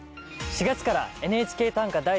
４月から「ＮＨＫ短歌」